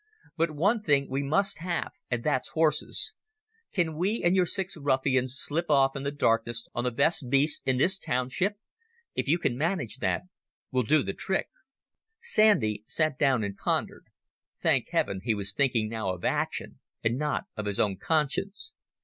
But one thing we must have, and that's horses. Can we and your six ruffians slip off in the darkness on the best beasts in this township? If you can manage that, we'll do the trick." Sandy sat down and pondered. Thank heaven, he was thinking now of action and not of his own conscience.